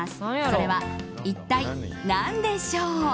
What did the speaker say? それは一体何でしょう。